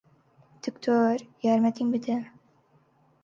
دکتۆر، یارمەتیم بدە!